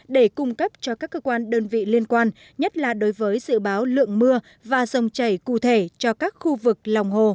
để cung cấp cho các cơ quan đơn vị liên quan nhất là đối với dự báo lượng mưa và dòng chảy cụ thể cho các khu vực lòng hồ